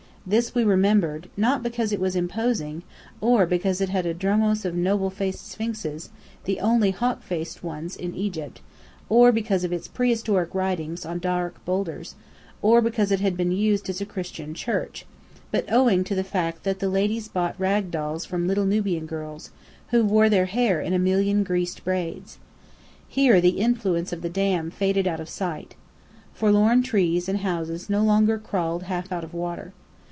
This we remembered, not because it was imposing, or because it had a dromos of noble faced sphinxes the only hawk faced ones in Egypt or because of its prehistoric writings, on dark boulders; or because it had been used as a Christian Church: but owing to the fact that the ladies bought rag dolls from little Nubian girls, who wore their hair in a million greased braids. Here the influence of the Dam faded out of sight. Forlorn trees and houses no longer crawled half out of water.